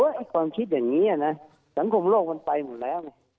แต่แต่ว่าความคิดแบบนี้น่ะสังคมโลกมันไปหมดแล้ว